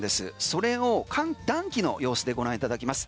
それを暖気の様子でご覧いただきます。